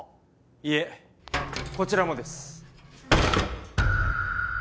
いえこちらもです。